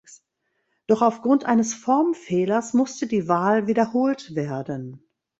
Doch aufgrund eines Formfehlers musste die Wahl wiederholt werden.